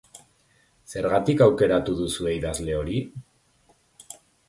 Zergatik aukeratu duzue idazle hori?